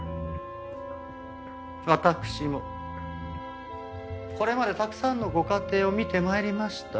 わたくしもこれまでたくさんのご家庭を見て参りました。